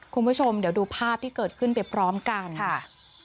คุณผู้ชมเดี๋ยวดูภาพที่เกิดขึ้นไปพร้อมกันค่ะ